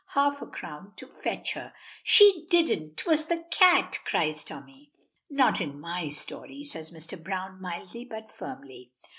Half a crown to fetch her '" "She didn't 'twas the cat," cries Tommy. "Not in my story," says Mr. Browne, mildly but firmly.